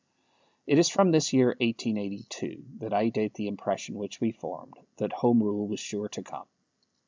It is from this year 1882 that I date the impression which we formed, that Home Rule was sure to come.